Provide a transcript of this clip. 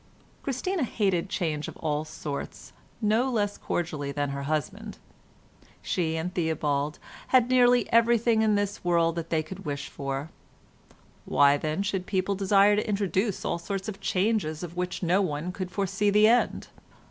Christina hated change of all sorts no less cordially than her husband. She and Theobald had nearly everything in this world that they could wish for; why, then, should people desire to introduce all sorts of changes of which no one could foresee the end?